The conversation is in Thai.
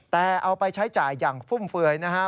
แต่เอาไปใช้จ่ายอย่างฟุ่มเฟือยนะฮะ